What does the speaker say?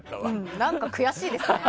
何か悔しいですね！